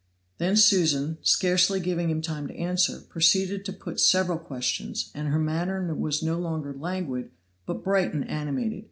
Then Susan, scarcely giving him time to answer, proceeded to put several questions, and her manner was no longer languid, but bright and animated.